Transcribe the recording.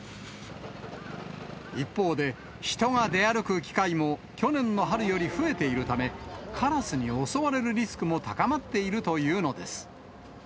一方で、人が出歩く機会も去年の春より増えているため、カラスに襲われるリスクも高まっているというのです。